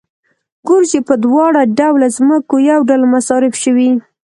ګورو چې په دواړه ډوله ځمکو یو ډول مصارف شوي